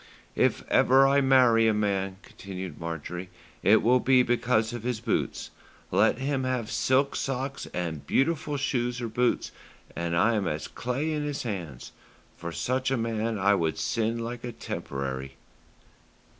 "If ever I marry a man," continued Marjorie, "it will be because of his boots. Let him have silk socks and beautiful shoes or boots, and I am as clay in his hands. For such a man I would sin like a 'temporary.'"